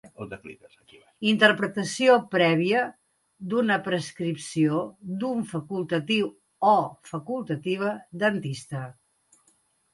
Interpretació prèvia d'una prescripció d'un facultatiu o facultativa dentista.